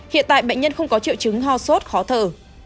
hiện tại bệnh nhân không có triệu chứng ho sốt khó thở